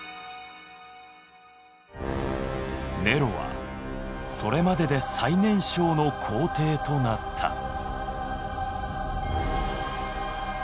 ネロはそれまでで最年少の皇帝となった。